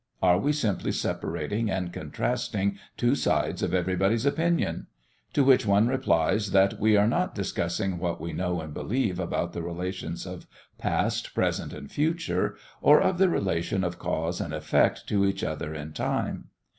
Are we simply separating and contrasting two sides of everybody's opinion? To which one replies that we are not discussing what we know and believe about the relations of past, present, and future, or of the relation of cause and effect to each other in time.